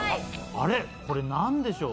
あれこれなんでしょう？